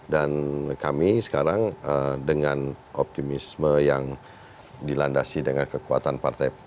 dan kami sekarang dengan optimisme yang dilandasi dengan kekuatan partai